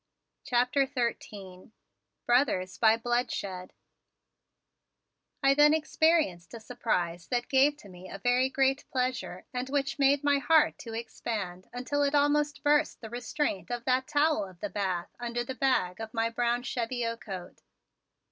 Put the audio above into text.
CHAPTER XIII BROTHERS BY BLOODSHED I then experienced a surprise that gave to me a very great pleasure and which made my heart to expand until it almost burst the restraint of that towel of the bath under the bag of my brown cheviot coat.